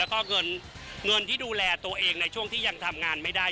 แล้วก็เงินที่ดูแลตัวเองในช่วงที่ยังทำงานไม่ได้